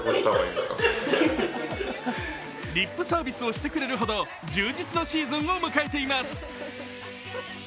リップサービスをしてくれるほど充実のシーズンを迎えています。